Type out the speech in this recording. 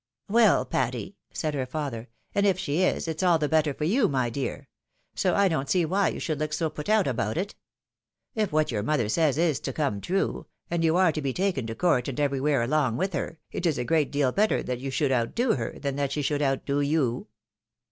" Well, Patty," said her father, " and if she is, it's all the better for you, my dear ; so I don't see why you should look so put out about it. If what your mother says is to come true, and you are to be taken to court and everywhere along with her, it is a great deal better that you should outdo her, than that she should outdo you."